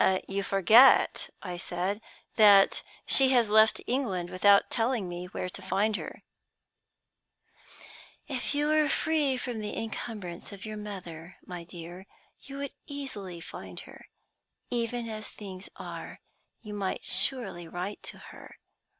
"You forget," I said, "that she has left England without telling me where to find her." "If you were free from the incumbrance of your mother, my dear, you would easily find her. Even as things are, you might surely write to her.